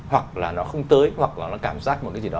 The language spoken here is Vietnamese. hoặc là nó không tới hoặc là nó cảm giác một cái gì đó